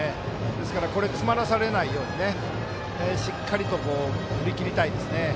ですから詰まらされないようにしっかりと振り切りたいですね。